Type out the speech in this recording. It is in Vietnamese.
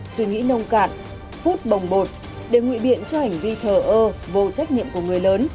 suy nghĩ nông cạn phút bồng bột để ngụy biện cho hành vi thờ ơ